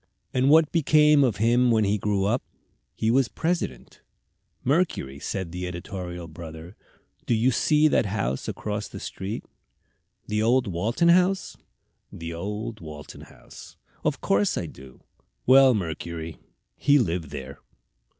"And what became of him when he grew up?" "He was President." "Mercury," said the editorial brother, "do you see that house across the street?" "The old Walton House?" "The old Walton House." "Of course I do." "Well, Mercury, he lived there."